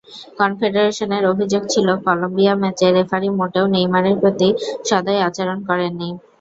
কনফেডারেশনের অভিযোগ ছিল কলম্বিয়া ম্যাচে রেফারি মোটেও নেইমারের প্রতি সদয় আচরণ করেননি।